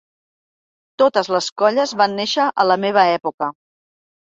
Totes les colles van néixer a la meva època.